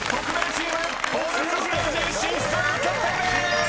チームボーナスステージ進出決定です］